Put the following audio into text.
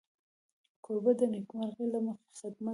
کوربه د نېکمرغۍ له مخې خدمت کوي.